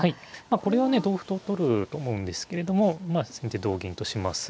これはね同歩と取ると思うんですけれどもまあ先手同銀とします。